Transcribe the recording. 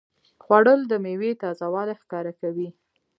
خوړل د میوې تازهوالی ښکاره کوي